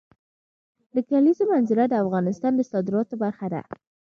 د کلیزو منظره د افغانستان د صادراتو برخه ده.